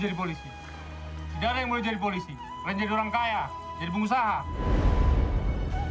dari headache kepada masyarakat yang membalas klingkat tentara spiritual yang di gengkut